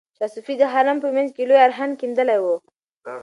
شاه صفي د حرم په منځ کې لوی ارهډ کیندلی و.